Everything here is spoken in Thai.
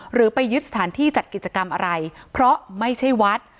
หรือไปยึดสถานที่จัดกิจกรรมอะไรเพราะไม่ใช่วัด